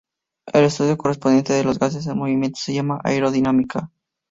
El estudio correspondiente de los gases en movimiento se llama aerodinámica.